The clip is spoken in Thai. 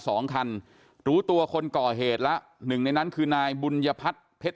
สองคันรู้ตัวคนก่อเหตุแล้วหนึ่งในนั้นคือนายบุญยพัฒน์เพชร